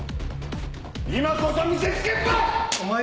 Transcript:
今こそ見せつけるばい！